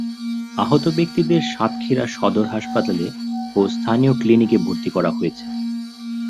আহত ব্যক্তিদের সাতক্ষীরা সদর হাসপাতালে ও স্থানীয় ক্লিনিকে ভর্তি করা হয়েছে।